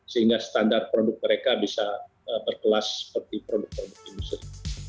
sehingga standar produk mereka bisa berkelas seperti produk produk industri